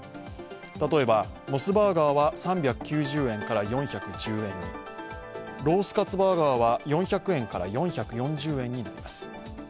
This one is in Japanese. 例えばモスバーガーは３９０円から４１０円に、ロースカツバーガーは４００円から４４０円になります。